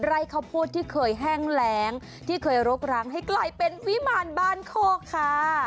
ข้าวโพดที่เคยแห้งแรงที่เคยรกร้างให้กลายเป็นวิมารบ้านโคกค่ะ